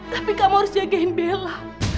tapi kamu harus jagain bella